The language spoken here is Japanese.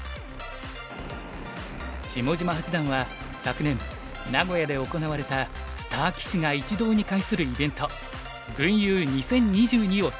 下島八段は昨年名古屋で行われたスター棋士が一堂に会するイベント群遊２０２２を企画。